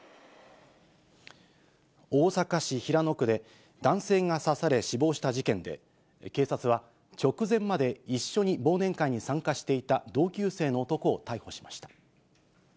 大阪市平野区で、男性が刺され死亡した事件で、警察は、直前まで一緒に忘年会に参加していた同級生の男を逮捕しました。